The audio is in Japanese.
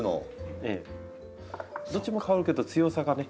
どっちも香るけど強さがね。